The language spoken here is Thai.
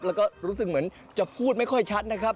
แล้วก็รู้สึกเหมือนจะพูดไม่ค่อยชัดนะครับ